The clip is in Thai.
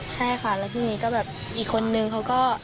ใช่ค่ะแล้วทุกวันอีกคนนึงเขาก็